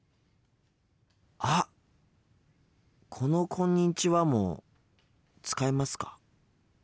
あっこの「こんにちは」も使いますか？